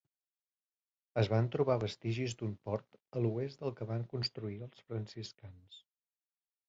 Es van trobar vestigis d'un port a l'oest del que van construir els franciscans.